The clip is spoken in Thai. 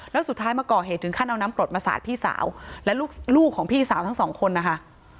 แล้วสุดท้ายมาก่อเหตุถึงขั้นเอาน้ำกรดมาสาดพี่สาวและลูกของพี่สาวทั้งสองคนนะคะ